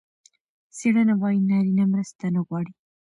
څېړنه وايي نارینه مرسته نه غواړي.